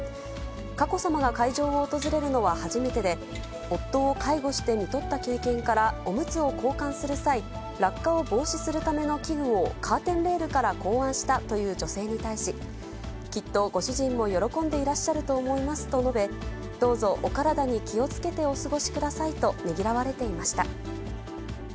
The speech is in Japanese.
佳子さまが会場を訪れるのは初めてで、夫を介護してみとった経験から、おむつを交換する際、落下を防止するための器具をカーテンレールから考案したという女性に対し、きっとご主人も喜んでいらっしゃると思いますと述べ、どうぞお体に気をつけてお過ごしくださいとねぎらわれていました。